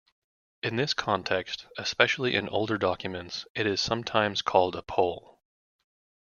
In this context, especially in older documents, it is sometimes called a pole.